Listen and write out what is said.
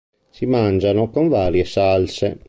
Si mangiano con varie salse.